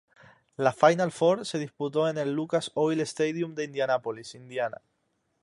La Final Four se disputó en el Lucas Oil Stadium de Indianapolis, Indiana.